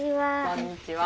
こんにちは。